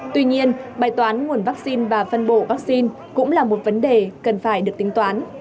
tuy nhiên bài toán nguồn vaccine và phân bổ vaccine cũng là một vấn đề cần phải được tính toán